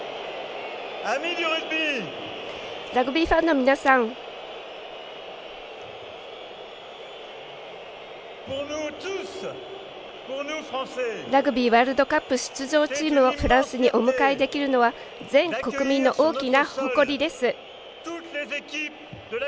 ラグビーファンの皆さんラグビーワールドカップ出場チームをフランスにお迎えできるのは全国民の大きな誇りです。